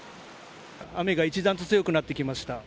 雨が一段と強くなってきました。